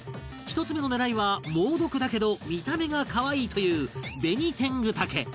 １つ目の狙いは猛毒だけど見た目が可愛いというベニテングタケ